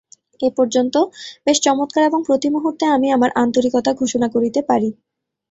এ পর্যন্ত বেশ চমৎকার এবং প্রতিমুহূর্তে আমি আমার আন্তরিকতা ঘোষণা করিতে পারি।